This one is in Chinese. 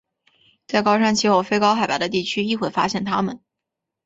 在高山气候非高海拔的地区亦会发现它们。